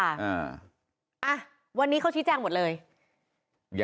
อ่ะวันนี้เขาชี้แจงหมดเลย